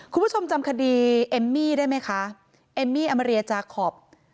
คุณผู้ชมจำคดีเอมมี่ได้ไหมคะเอมมี่อมาเรียจาคอป